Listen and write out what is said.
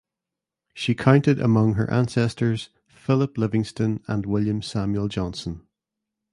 She counted among her ancestors Philip Livingston and William Samuel Johnson.